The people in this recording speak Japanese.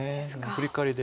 フリカワリで。